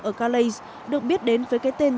ở calais được biết đến với cái tên